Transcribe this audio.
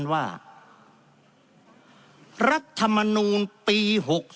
เรากำลังพูดในเรื่องของตัวเราว่าใครจะชนะกันมากกว่า